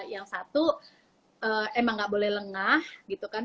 yang satu emang gak boleh lengah gitu kan